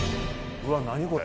うわ何これ？